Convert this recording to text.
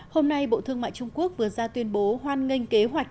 hôm nay bộ thương mại trung quốc vừa ra tuyên bố hoan nghênh kế hoạch